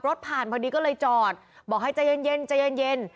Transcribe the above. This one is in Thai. รถผ่านพอดีก็เลยจอดบอกให้ใจเย็นใจเย็น